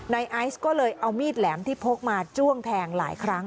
ไอซ์ก็เลยเอามีดแหลมที่พกมาจ้วงแทงหลายครั้ง